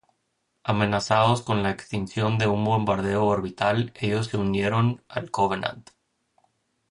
Amenazados con la extinción de un bombardeo orbital, ellos se unieron al Covenant.